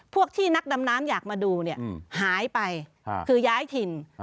พวกที่นักดำน้ำอยากมาดูเนี่ยหายไปคือย้ายถิ่น